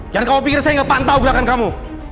jangan kau pikir saya nggak pantau gerakan kamu